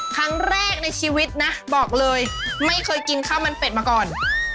ครั้งแรกในชีวิตนะบอกเลยไม่เคยกินข้าวมันเป็ดมาก่อน